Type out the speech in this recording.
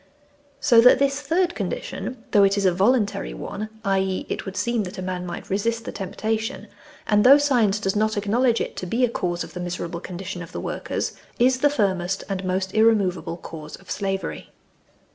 So that this third condition, though it is a voluntary one (i.e. it would seem that a man might resist the temptation), and though science does not acknowledge it to be a cause of the miserable condition of the workers, is the firmest and most irremovable cause of slavery.